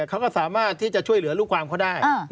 เขาก็สามารถที่จะช่วยเหลือลูกความเขาได้